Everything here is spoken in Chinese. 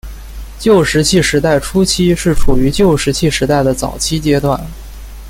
旧石器时代初期是处于旧石器时代的早期阶段。